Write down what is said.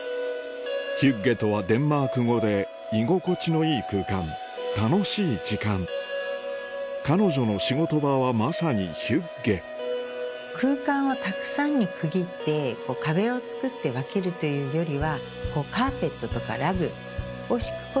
ヒュッゲとはデンマーク語で居心地のいい空間楽しい時間彼女の仕事場はまさにヒュッゲ空間をたくさんに区切って壁を作って分けるというよりは。